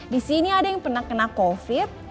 disini ada yang pernah kena covid